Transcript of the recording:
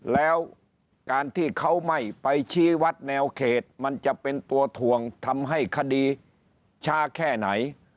แล้วการที่เขาไม่ไปชี้วัดแนวเขตมันจะเป็นตัวถ่วงทำให้คดีช้าแค่ไหน